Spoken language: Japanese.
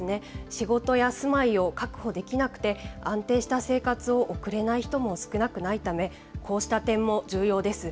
仕事や住まいを確保できなくて、安定した生活を送れない人も少なくないため、こうした点も重要です。